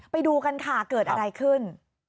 ไปดูกันค่ะเกิดอะไรขึ้น